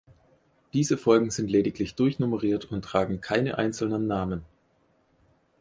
Diese Folgen sind lediglich durchnummeriert und tragen keine einzelnen Namen.